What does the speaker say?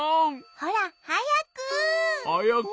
ほらはやく。